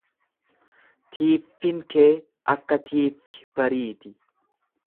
Tiiffin kee akka tiiffi barii ti.